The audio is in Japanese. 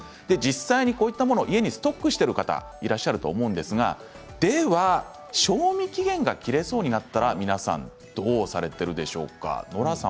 実際に、こういったものをストックされている方いらっしゃると思うんですが賞味期限が切れそうになったらどうされているでしょうか。